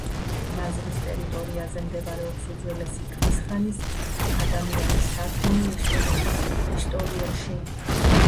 მაზრის ტერიტორიაზე მდებარეობს უძველესი, ქვის ხანის, ადამიანის სადგომი ესტონეთის ისტორიაში.